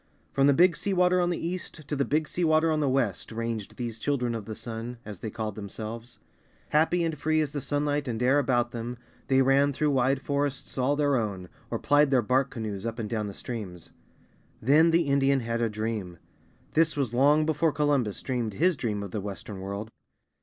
From the Big Sea Water on the east to the Big Sea Water on the west, ranged these Children of the Sun, as they called themselves. Happy and free as the sunlight and air about them, they ran through wide forests all their own, or plied their bark canoes up and down the streams. Then the Indian had a dream. This was long before Columbus dreamed his dream of the Western World.